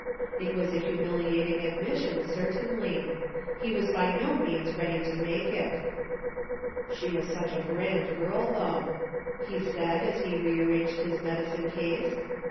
It was a humiliating admission, certainly ; he was by no means ready to make it. " She is a grand girl, though," he said, as he re arranged his medicine case.